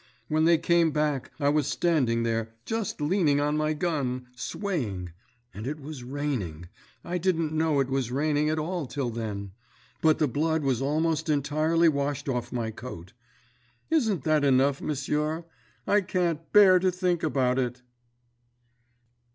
When they came back, I was standing there, just leaning on my gun, swaying ... and it was raining ... I didn't know it was raining at all till then ... but the blood was almost entirely washed off my coat.... Isn't that enough, m'sieur? I cant bear to think about it."